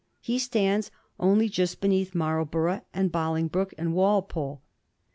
He stands only just beneath Marlborough, and Bolingbroke, and Walpole.